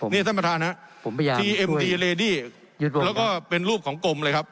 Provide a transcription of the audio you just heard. นี่ท่านประธานครับทีเอ็มตีเลดี้แล้วก็เป็นรูปของกรมเลยครับ